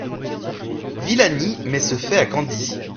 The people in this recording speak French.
Villani met ce fait à Candie.